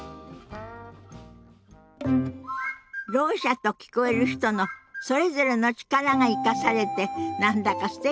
ろう者と聞こえる人のそれぞれの力が生かされて何だかすてきよね。